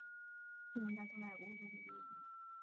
郡名在宋代无实际意义。